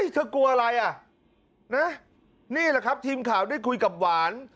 กลัวอะไรอ่ะนะนี่แหละครับทีมข่าวได้คุยกับหวาน